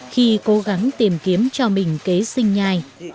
khi cố gắng tìm kiếm cho mình kế sinh nhai